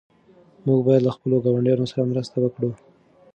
موږ باید له خپلو ګاونډیانو سره مرسته وکړو.